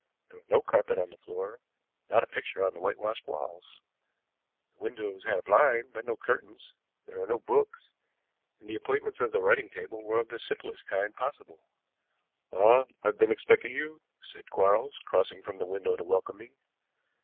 There was no carpet on the floor, not a picture on the whitewashed walls. The window had a blind, but no curtains; there were no books, and the appointments of the writing table were of the simplest kind possible. "Ah, I have been expecting you," said Quarles, crossing from the window to welcome me.